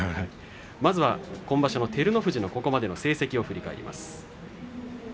まずは今場所の照ノ富士のここまでの成績です。